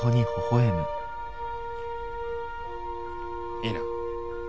いいな？